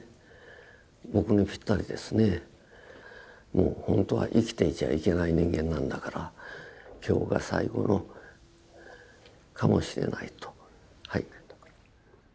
もうほんとは生きていちゃいけない人間なんだから今日が最後のかもしれないと。